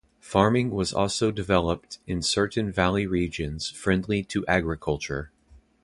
Farming was also developed in certain valley regions friendly to agriculture.